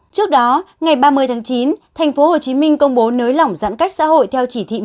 trước đó ngày ba mươi tháng chín tp hcm công bố nới lỏng giãn cách xã hội theo chỉ thị một mươi chín